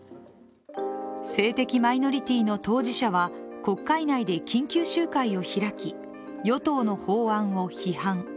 性的マイノリティの当事者は国会内で緊急集会を開き与党の法案を批判。